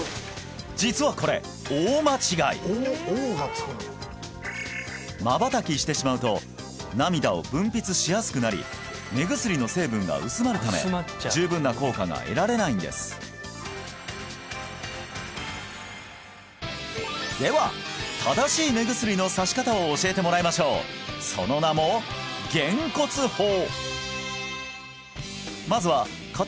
実はこれ大間違いまばたきしてしまうと涙を分泌しやすくなり目薬の成分が薄まるため十分な効果が得られないんですでは正しい目薬のさし方を教えてもらいましょうその名も「げんこつ法」！